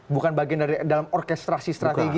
bukan bagian dari dalam orkestrasi strategi